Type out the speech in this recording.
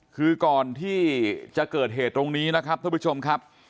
คือก่อนที่จะเกิดเหตุตรงนี้นะครับท่านผู้ชมครับ